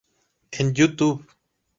En Youtube